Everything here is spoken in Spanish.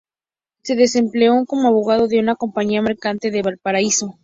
Se desempeñó como abogado de una compañía mercante de Valparaíso.